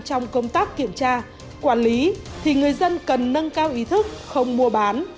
trong công tác kiểm tra quản lý thì người dân cần nâng cao ý thức không mua bán